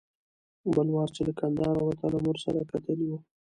بل وار چې له کندهاره وتلم ورسره کتلي و.